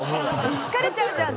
「疲れちゃうじゃん」。